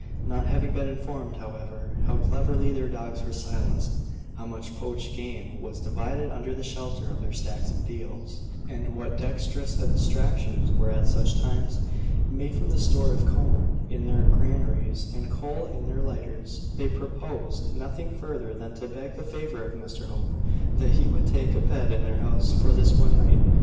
Not having been informed, however, how cleverly their dogs were silenced, how much poached game was divided under the shelter of their stacks of deals, and what dextrous abstractions were at such times made from the store of corn in their granaries, and coal in their lighters, they proposed nothing further than to beg the favour of Mr Hope that he would take a bed in their house for this one night.